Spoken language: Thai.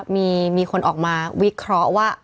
มีคนออกมาวิเคราะห์ว่า